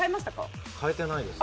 変えてないです